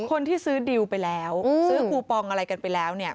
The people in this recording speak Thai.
คนที่ซื้อดิวไปแล้วซื้อคูปองอะไรกันไปแล้วเนี่ย